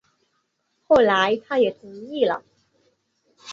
后来他也同意了